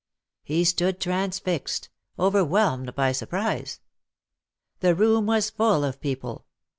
He stood transfixed — overwhelmed by surprise. The room was full of people.